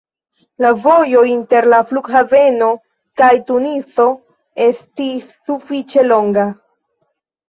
La vojo inter la flughaveno kaj Tunizo estis sufiĉe longa.